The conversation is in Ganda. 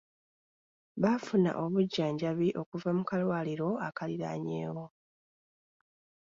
Baafuna obujjanjabi okuva mu kalwaliro akaliraanyeewo.